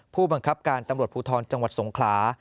ผู้บังคับการตภวรภรรณ์จังหวัดสงครา